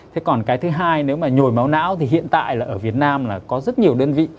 thế còn cái thứ hai nếu mà nhồi máu não thì hiện tại là ở việt nam là có rất nhiều đơn vị